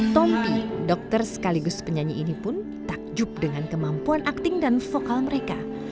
tompi dokter sekaligus penyanyi ini pun takjub dengan kemampuan akting dan vokal mereka